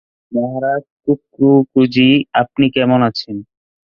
মহারাজ কুকরুকুজি, আপনি কেমন আছেন?